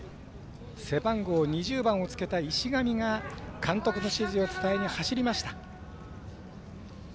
背番号２０番をつけた石神が監督の指示を伝えに走りました。